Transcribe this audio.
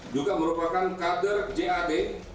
juga merupakan kader jad